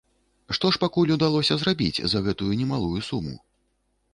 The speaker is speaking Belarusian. Што ж пакуль удалося зрабіць за гэтую немалую суму?